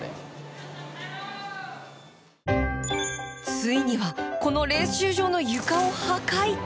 ついにはこの練習場のゆかを破壊！